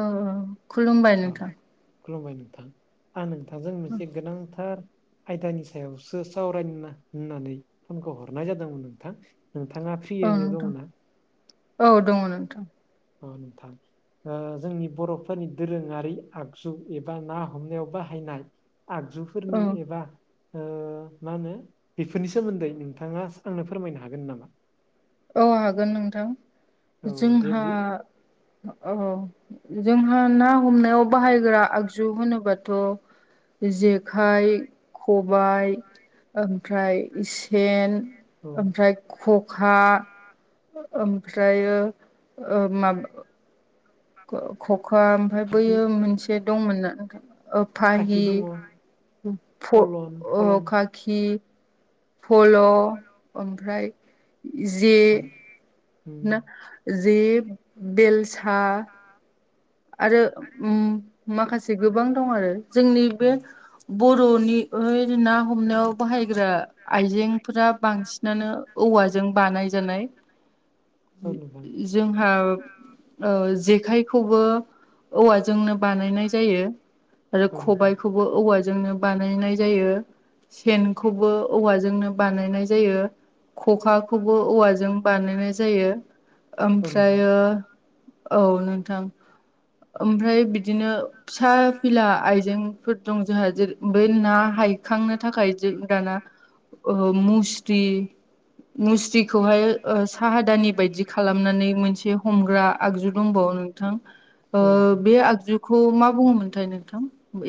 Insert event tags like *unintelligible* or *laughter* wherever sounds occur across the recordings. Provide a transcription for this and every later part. औ औ खुलुमबाय औ नोंथां। खुलुमबाय नोंथां। आं नोंथांजों मोनसे गोनांथार आयदानि सायावसो सावरायना होननानै फनखौ हरनाय जादोंमोन नोंथां। नोंथाङा औ फ्रियैनो नोंथां दङ ना? औ दङ नोंथां। औ नोंथां ओ जोंनि बर'फोरनि दोरोङारि आगजु एबा ना हमनायाव बाहायनाय औ आगजुफोरनि एबा ओ मा होनो बेफोरनि सोमोन्दै नोंथाङा सोंनो फोरमायनो हागोन नामा? औ हागोन नोंथां। औ जोंहा देब्लि ओ औ जोंहा ना हमनायाव बाहायग्रा आगजु होनोबाथ' जेखाय, खबाय ओमफ्राय सेन औ ओमफ्राय ख'खा ओमफ्रायो ओ माब खो ख'खा ओमफाय खाखि बैयो मोनसे दंमोनना नोंथां। ओ खाखि फाहि दङ फ फलन ओ फलान खाखि फल' ओमफ्राय जे सम ना जि बेलसा आरो ओम माखासे गोबां दं आरो जोंनि औ बे बर'नि ओ ना हमनायाव बाहायग्रा आइजें *unintelligible* बांसिनानो औवाजों बानाय जानाय औ नोंथां जोंहा ओ जेखाइखौबो औवाजोंनो बानायनाय जायो आरो औ नोंथां खबाइखौबो औवा *unintelligible* बानायनाय जायो सेनखौबो औवाजोंनो बानायनाय जायो ख'खाखौबो औवाजों बानायनाय जायो औ नोंथां ओमफ्रायो औ नोंथां ओमफ्राय बिदिनो फिसा फिला आइजेंफोर दं जोंहा जेरै बै ना हायखांनो थाखाय जों दाना ओ मुस्रि मुस्रिखौहाय ओ साहादानि बायदि खालामनानै मोनसे हमग्रा आगजु दंबावो नोंथां ओ औ नोंथां बे आगजुखौ मा बुङोमोनथाय नोंथां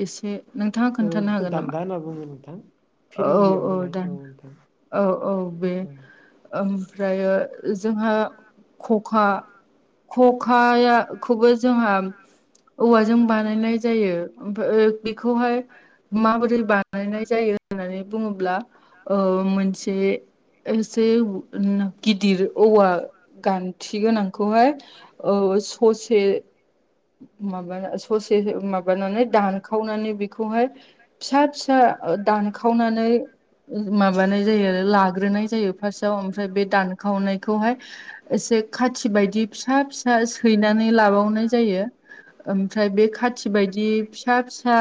एसे नोंथाङा ओ खोन्थानो बेखौ हागोन नामा? दान्दा होनना बुङो नोंथां औ फिरिंगियाव औ होनाय दोन नोंथां औ औ बे औ ओमफ्रायो जोंहा खखा खखायाखौबो जोंहा औवाजों बानायनाय जायो ओम ओ बेखौहाय माबोरै बानायनाय जायो होननानै बुंङोब्ला ओ मोनसे एसे *unintelligible* गिदिर औवा गान्थि गोनांखौहाय औ ससे माबा ससे माबानानै दानखावनानै बेखौहाय फिसा - फिसा ओ दानखावनानै माबानाय जायो आरो लाग्रोनाय जायो फार्स्टाव ओमफ्राय बे दानखावनायखौहाय एसे खाथि बायदि फिसा - फिसा सैनानै लाबावनाय जायो ओमफ्राय बे खाथि बायदि फिसा-फिसा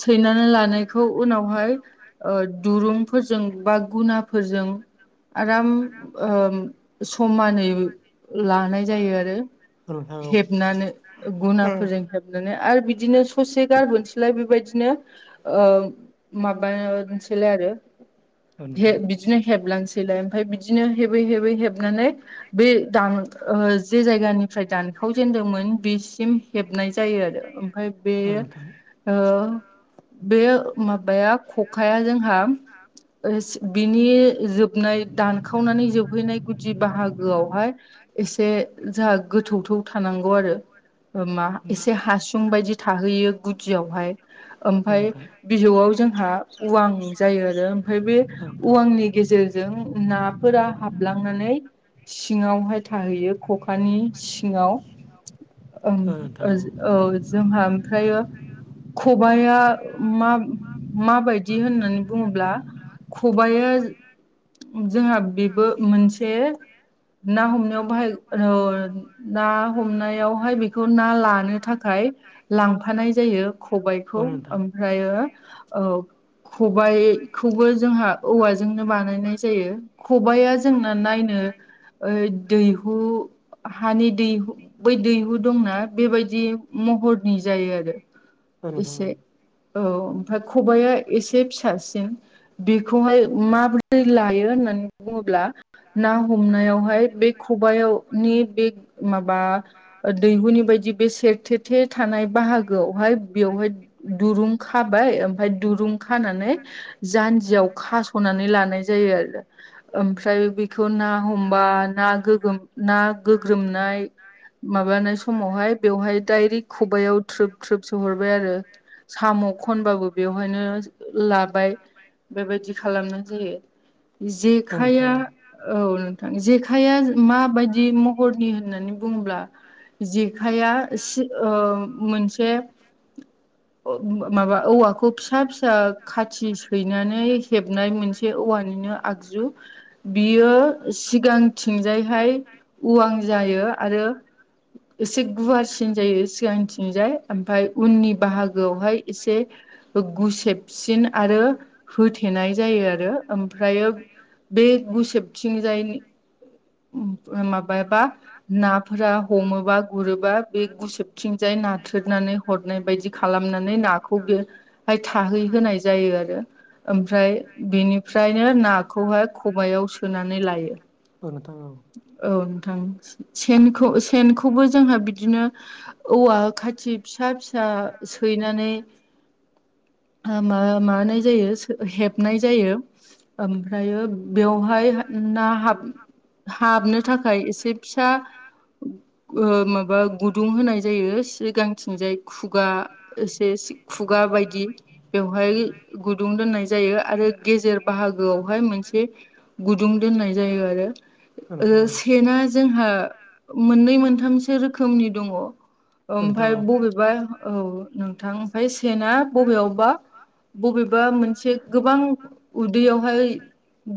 सैनानै लानायखौ उनावहाय ओ दुरुंफोरजों बा गुनाफोरजों आराम ओ समानै लानाय जायो आरो। औ औ। हेबनानै गुनाफोरजों हेबनानै आरो बिदिनो ससे गारबोनोसैलाय बेबायदिनो। ओ माबासैलाय आरो औ *unintelligible* नोंथां बिदिनो हेबलानोसैलाय ओमफ्राय बिदिनो हेबै - हेबै हेबनानै बे दान ओ जे जायगानिफ्राय दानखावजेनदोंमोन बेसिम हेबनाय जायो आरो। ओमफ्राय बे औ नोंथां ओ बे माबाया खखाया जोंहा *unintelligible* बिनि जोबनाय दानखावनानै जोबहैनाय गुदि बाहागोआवहाय एसे जोंहा गोथौथौ थानांगौ आरो। ओ मा औ नोंथां एसे हासुं बायदि थाहैयो गुदियावहाय। औ ओमफ्राय नोंथां बिजौआव जोंहा उवां जायो आरो। ओमफ्राय बे उवांनि गेजेरजों नाफोरा हाबलांनानै सिंङावहाय थाहैयो खखानि सिङाव। ओं औ नोंथां ओ औ जोंहा ओमफ्रायो खबाइआ मा - माबायदि होननानै बुंङोब्ला खबाइया जोंहा बेबो मोनसे ना हमनायाव बाहाय *unintelligible* ना हमनायाव *unintelligible* बेखौ ना लानो थाखाय लांफानाय जायो औ खबायखौ *unintelligible* नोंथां ओमफ्रायो औ खबाइखौबो जोंहा औवाजोंनो बानायनाय जायो। खबाइया जोंना नायनो ओइ दैहु हानि दैहु बै दैहु दंना बेबायदि महरनि जायो आरो औ नोंथां औ एसे औ ओमफ्राय खबाइआ एसे फिसासिन बेखौहाय माबोरै लायो होननानै बुंङोब्ला ना हमनायावहाय बे खबाइनि बे माबा दैहुनि बायदि बे सेरथे थे थानाय बाहागोआवहाय बेवहाय दुरुं खाबाय ओमफफ्राय दुरुं खानानै जान्जियाव खास'नानै लानाय जायो आरो ओमफ्राय बेखौ ना हमबा ना गोगोम ना गोग्रोमनाय माबानाय समावहाय बेवहाय दडाइरेक्ट खबाइयाव दोप थ्रोब सोहरबाय आरो साम' खनबाबो बेवहायनो लाबाय बेबायदि खालामनाय जायो औ नोंथां जेखाइया औ औ नोंथां जेखाइआ माबायदि महरनि होननानै बुंङोब्ला जेखाइया से ओ मोनसे माबा औवाखौ फिसा फिसा खाथि सैनानै हेबनाय मोनसे औवानिनो आगजु बियो सिगांथिंजायहाय उवां जायो आरो एसे गुवारसिन जायो सिगांथिंजाय ओमफफ्राय उननि बाहागोआवहाय एसे गुसेबसिन आरो होथेनाय जायो आरो ओमफ्रायो बे गुसेबथिंजाय माबाबा नाफोरा हमोबा गुरोबा बे गुसोबथिंजाय नाथ्रेदनानै हरनाय बायदि खालामनानै नाखौ बे बेाय थाहै होनोनाय जायो आरो ओमफ्राय बेनिफ्रायनो नाखौहाय खबायाव सोनानै लायो औ नोंथा औ औ नोंथां सेनखौ सेनखौबो जोंहा बिदिनो औवा खाथि फिसा फिसा सैनानै मा मानाय जायो हेबनाय जायो ओमफ्रायो बेवहाय ना हाबनो थाखाय एसे फिसा माबा गुदुं होनाय जायो सि गांथिंजाय खुगा एसे खुगा बायदि बेवहाय गुदुं दोननाय जायो आरो गेजेर बाहागोआवहाय मोनसे गुदुं दोननाय जायो औ आरो नोंथां सेना जोंहा मोननै मोनथामसो रोखोमनि दङ औ नोंथां औ नोंथां औ ओमफाय नोंथां औ बबेबा औ नोंथां ओमफ्राय सेना बबेयावबा बबेबा मोनसे गोबां उदैयावहाय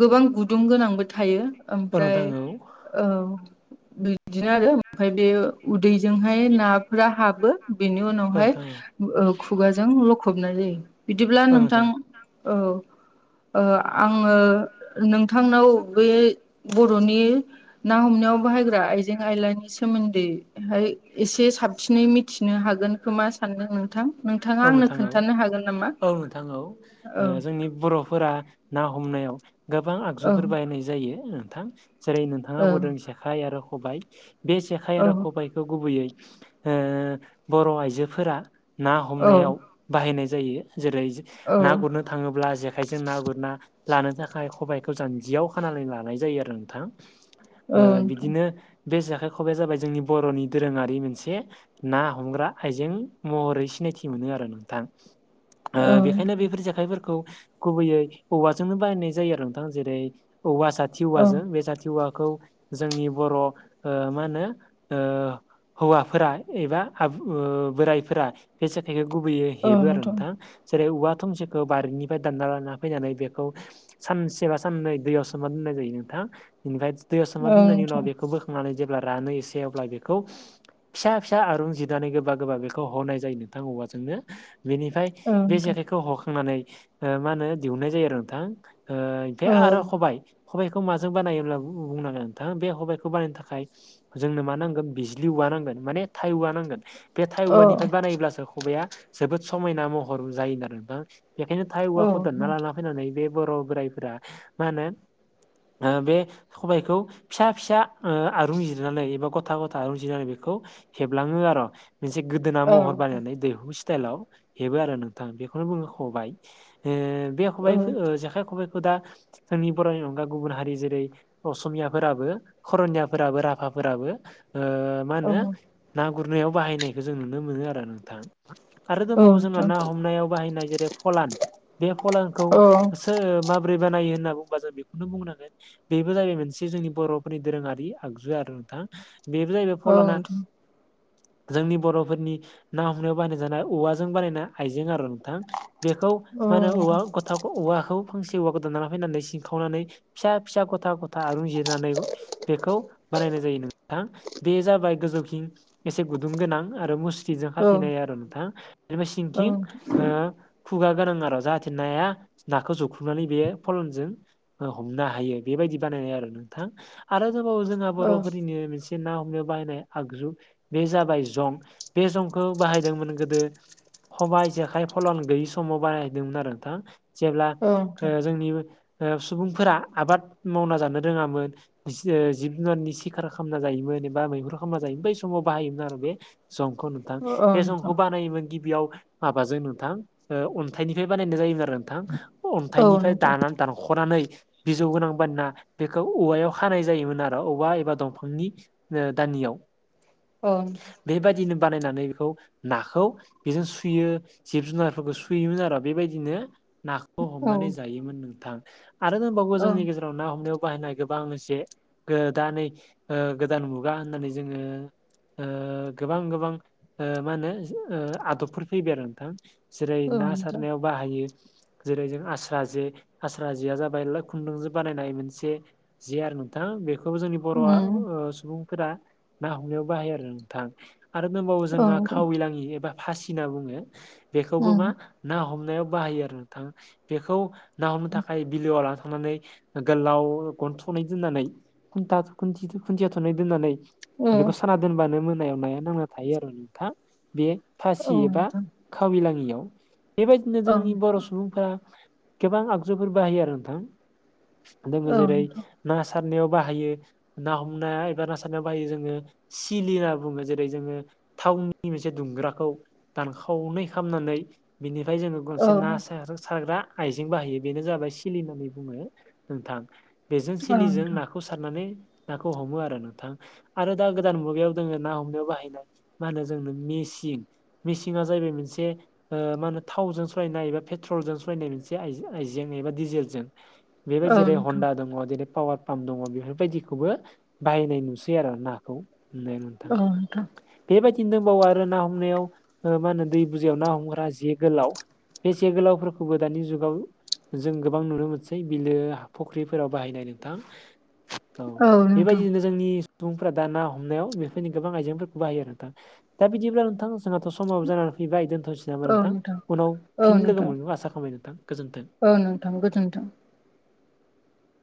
गोबां गुदुं गोनांबो थायो ओमफ्राय औ बिदिनो आरो ओमफफ्राय बे उदैजोंहाय नाफोरा हाबो बेनि उनावहाय खुगाजों लखबनाय जायो बिदिब्ला नोंथां औ आङो नोंथांनाव बे बर'नि ना हमनायाव बाहायग्रा आ जें आयलानि सोमोन्दैहाय एसे साबसिनै मिथिनो हागोन खोमा सानदों नोंथां नोंथाङा औ आंनो नोंथां औ खोन्थानो हागोन नामा? औ नोंथां औ औ जोंनि बर' फोर ना हमनायाव गोबां औ आगजुफोर बायनाय जायो नोंथां जेरै नोंथाङा औ बुंदों जेखाइ आरो खबायाइ बे जेखाइ आरो खबायाइ गुबैयै बर' आइजोफोरा ना हमनायाव औ बाहायनाय जायो जेरै औ ना गुरनो थाङोब्ला जेखाइजों ना गुरना लानो थाखाय खबायाइखौ जान्जियाव खानानै लानाय जायो आरो नोंथां औ नोंथां बिदिनो बे जेखाइ खबाइया जाबाय जोंनि बर'नि दोरोङारि मोनसे ना हमग्रा आइजें महरै सिनायथि मोनो आरो नोंथां औ बेखायनो बेफोर जेखाइफोरखौ गुबैयै औवाजोंनो बायनाय जायो आरो नोंथां जेरै औवा साथि औ औवाजों बे साथि औवाखौ जोंनि बर' मा होनो हौवाफोरा एबा बोराइफोरा बे जेाखाइखौ गुबैयै हेबो आरो नोंथां जेरै औवा थुमसिखौ बारिनिफ्राय दानना लाना फैनानै बेखौ सानसे बा साननै दै सोमना दोननाय जायो नोंथाङा बेनिफ्राय दै असमा औ दोननायनि उनाव नोंथां बेखौ बोख नानै जेब्ला रानो एसे अब्ला बेखौ फिसा फिसा आरं जि दानायखौ गोबा गोबा बेखौ हनाय जायो थांगौबाजोंनो बेनिफ्राय औ बे नोंथां जेखाइखौ हखांनानै ओ मा होनो दिहुननाय जायो आरो नोंथां ओमखाय बे औ आरो खबाय खबाइखौ माजों बानायायो होनब्ला बुंनांगोन नोंथां बे खबाइखौ बानायनो थाखाय जोंनो मा नांगोन बिजलि औवा नांगोन माने थाइ औवा नांगोन बे थाय औ औवानिफ्राय बानायब्लासो खबाया जोबोद समायना महर जायो नो आरो ना बेखायनो थाइ औ औवाखौ दानना लाना फैनानै बे बर' बोराइफोरा मा होनो आ बे खबायखौ फिसा फिसा आरं जिरनानै एबा गथा गथा आरुन जिरनानै बेखौ हेबलाङो आरो मोनसे गोदोना औ महर बानायनानै दैहु स्टाइलाव हेबो आरो नोंथां बेखौनो बुङो खबाय बे खाइ जेखाइ खबाइखौ दा जोंनि बर'नि अनगा गुबुन हारि जेरै असमियाफोराबो करनियाफोराबो राभाफोराबो मा औ होनो ना गुरनायाव बाहायनायखौ जों नुनो मोनो आरो आरो औ दंबावो जोंहा नोंथां ना हमनायाव बाहायनाय जेरै फलान बे फलानखौ औ सोरो माब्रै बानायो होनना बुंबा जों बेखौनो बुंनांगोन बेबो जाहैबाय मोनसे जोंनि बर'फोरनि दोरोङारि आगजु आरो ना बेबो जाहैबाय फलाना नोंथां जोंनि बर'फोरनि ना हमनायाव बानाय जानाय औवाजों बानायनाय आइजें आरो नोंथां बेखौ औ मा होनो नोंथां औव फावखौ औवाखौ फांसे औवाखौ दाननानै फैनानै सिंखावनानै फिसा फिसा गथा गथा आरुन जिरनानै बेखौ बानायनाय जायो नोंथां बे जाबाय गोजौखिं एसे गुदुं गोनां आरो मुस्थिजों औ नाय आरो नोंथां जबा औ सिंकिं नोंथां ओ खुगा गोनां आरो जाहाथे नाया नाखौ जुख्रुबनानै बेयो फलनजों हमनो हायो बेबायदि बानायनाय आरो नोंथां आरो गोबावो जोंहा औ बर'फोरनि मोनसे ना हमनो बाहायनाय आगजु बे जाबाय जं बे जं बाहायदोंमोन गोदो ठबाइ जेखाइ फलान गैयि समाव बाहायदोंमोन आरो नोंथां जेब्ला औ ओ नोंथां जोंनि ओ सुबुंफोरा आबाद मावना जानो रोङामोन जिब जुनारनि सिखार खालामना जायोमोन एबा मै खालामा जायोमोन बै समाव बाहायोमोन आरो बे जंखौ नोंथां औ बे जंखौ नोंथां बानायोमोन गिबियाव माबाजों नोंथां अन्थाइनिफ्राय बानायनाय जायोमोन आरो नोंथां औ अन्थाइनिफ्राय नोंथां दानानै दानख'नानै बिजौ गोनां बाना बेखौ औवायाव खानाय जायोमोन आरो औवा एबा दंफांनि ओ दानि अ बेबायदिनो बानायनानै ओ नाखौ बेजों सुयो जिब जुनारफोरखौ सुयोमोन आरो बेबायदिनो ना औ नोंथां औ हमनानै जायोमोन नोंथां आरो दंबावो जोंनि गेजेराव ना हमनायाव बाहायनाय गोबां जे ओ दा नै ओ गोदान मुगा होननानै जोङो ओ गोबां गोबां ओ मा होनो ओ आदबफोर फैबाय आरो नोंथां जेरै औ ना नोंथां सारनायाव बाहायो जेरै जों आस्रा जे आस्रा जेया जाबाय *unintelligible* खुन्दुंजो बानायनाय मोनसे जे आरो नोंथां बे बे जोंनि बर' उम सुबुंफोरा ना हमनायाव बाहायो आरो नोंथां आरो दोंबावो औ जोंहा नोंथां खाविलाङि एबा फासि होनना बुङो बेखौबो उम मा ना हमनायाव बाहायो आरो नोंथाङा बेखौ ना हमनो थाखाय बिलोआव लाना थांनानै। गोलाव गन थ'नै दोनानै दोननानै खुन्था खुन्थिया थ'नै दोन्नानै औ बेखौ साना दोनबानो मोनायाव नाया नांना थायो आरो नोंथाङ बे फासि औ एबा नोंथां खाविलाङियाव बेबायदिनो औ जोंनि बर' सुबुंफोरा गोबां आगजुफोर बाहायो आरो नोंथां दङ औ जेरै नोंथां ना सारनायाव बाहायो। ना हमनाया एबा ना सारनायाव बाहायो जोङो सिलि होनना बुङो जेरै जोङो। थावनि मोनसे दुंग्राखौ दानखावनै खामनानै बिनिफ्राय जोङो औ गंसे ना सा-सारग्रा आइजें बाहायो बेनो जाबाय सिलि होननानै बुङो नोंथां बेजों नोंथां औ नोंथां औ सिलिजों नोंथां नाखौ खौ सारनानै नाखौ हमो आरो नोंथाङा आरो दा गोदान मुगायाव दोङो ना हमनायाव बाहायनाय मा होनो जोंनो मिसिं मिसिं जाहैबाय मोनसे ओ मा होनो थावजों सलायनाय एबा पेट्रलजों सलायनाय मोनसे आइजें आइजें एबा डिजेलजों बेबायदि औ नोंथां औ नोंथां जेरै हन्दा दङ जेरै पावार पाम्प दङ बेफोरबायदिखौबो बाहायनाय नुसै आरो नाखौ *unintelligible* औ नोंथां बेबायदिनो दंबावो आरो ना हमनायाव ओ मा होनो दै बुजायाव ना हमग्रा जे गोलाव‌। बे जे गोलावफोरखौबो दानि जुगाव जों गोबां नुनो मोनसै बिलो फख्रिफोराव बाहायनाय नोंथां। औ बेबायदिनो जोंनि सुबुंफोरा दा ना हमनायाव बेफोरनो गोबां आइजेंफोर बाहायो आरो नोंथां दा बिदिब्ला नोंथां जोंहाथ' समाब जानानै फैबाय दोनथ'सै जाबा नोंथां उनाव औ फिन लोगो नोंथां मोनगोन आसा खालामबाय नोंथां गोजोन्थों‌। औ नोंथां गोजोन्थों।